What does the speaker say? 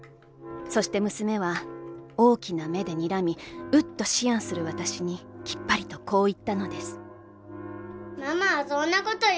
そして娘は大きな目で睨み『ウッ』と思案する私に、きっぱりとこう言ったのです」。